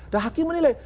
nah hakim menilai